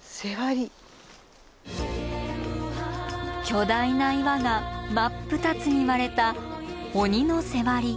巨大な岩が真っ二つに割れた鬼の背割り。